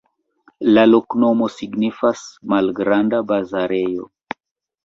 La loknomo signifas: malgranda-bazarejo.